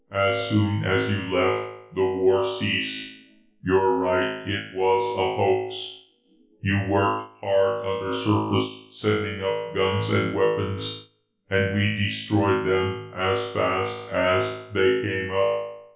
"As soon as you left, the war ceased. You're right, it was a hoax. You worked hard undersurface, sending up guns and weapons, and we destroyed them as fast as they came up."